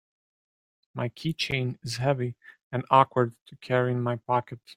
My keychain is heavy and awkward to carry in my pocket.